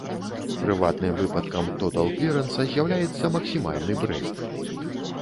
Прыватным выпадкам тотал-клірэнса з'яўляецца максімальны брэйк.